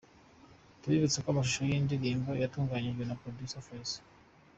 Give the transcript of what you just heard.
Tubibutse ko amashusho y'iyi ndirimbo yatunganyijwe na producer Fayzo.